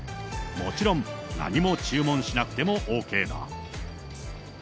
もちろん何も注文しなくてもＯＫだ。